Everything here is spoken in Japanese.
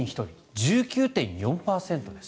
１９．４％です。